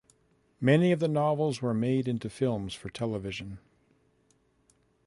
Many of the novels were made into films for television.